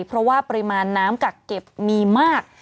เพราะว่าปริมาณน้ำกักเก็บมีมาก